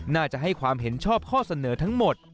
น่าจะให้ความเห็นชอบข้อเสนอทั้งหมด